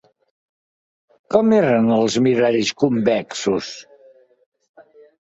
Com eren els miralls convexos?